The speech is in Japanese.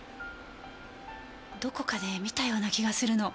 どこかで見たような気がするの。